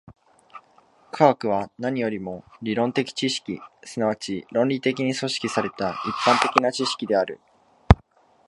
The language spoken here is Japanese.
科学は何よりも理論的知識、即ち論理的に組織された一般的な知識である。